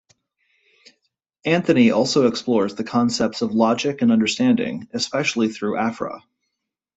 Anthony also explores the concepts of logic and understanding, especially through Afra.